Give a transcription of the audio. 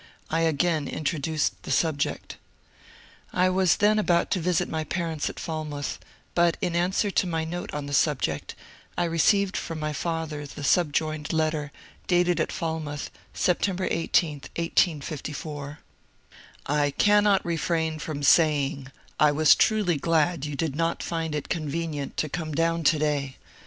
I again introduced the subject I was then about to visit my parents at Falmouth, but in answer to my note on the subject I received from my father the subjoined letter, dated at Falmouth, September 18, 1854: 188 MONCURE DANIEL CONWAY I cannot refrain from saying I was truly glad you did not find it convenient to come down to^y. ••